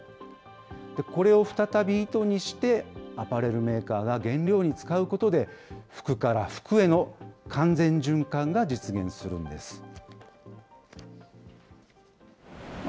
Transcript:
これを再び糸にして、アパレルメーカーが原料に使うことで、服から服への完全循環が実現するんです。